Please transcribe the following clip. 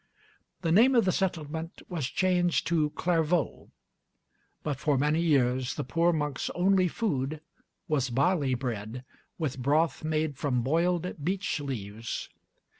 The name of the settlement was changed to Clairvaux, but for many years the poor monks' only food was barley bread, with broth made from boiled beech leaves.